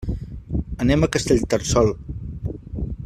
Anem a Castellterçol.